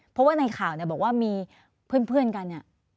เพราะว่าในข่าวเนี่ยบอกว่ามีเพื่อนกันเนี่ย